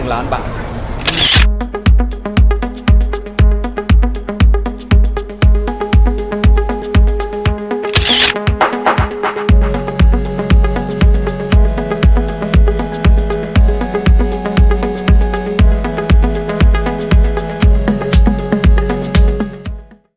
โปรดติดตามตอนต่อไป